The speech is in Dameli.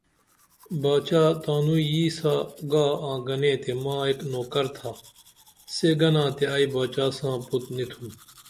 باچا تانوئی یی ساں گا آں گنے تے ما ایک نوکر تھا سے گنا تے ائی باچا ساں پُت نی تُھوم